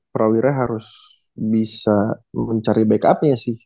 prawira harus bisa mencari backup nya sih